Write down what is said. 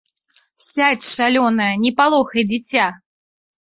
Сядзь, шалёная, не палохай дзіця!